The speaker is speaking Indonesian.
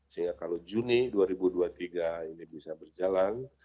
sehingga kalau juni dua ribu dua puluh tiga ini bisa berjalan